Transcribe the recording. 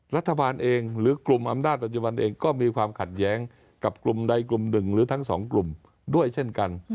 รัฐบาลเองหรือกลุ่มอำนาจปัจจุบันเองก็มีความขัดแย้งกับกลุ่มใดกลุ่มหนึ่งหรือทั้งสองกลุ่มด้วยเช่นกัน